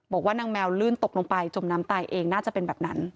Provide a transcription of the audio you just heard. บอกว่านางแมวลื่นตกลงไปจมน้ำตายเองน่าจะเป็นแบบนั้น